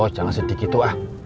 pak bos jangan sedih gitu ah